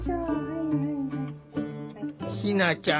ひなちゃん